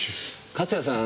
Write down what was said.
勝谷さん